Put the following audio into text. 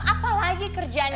apalagi kerjaan dia